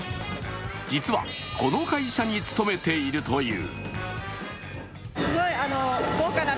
実はこの会社に勤めているという。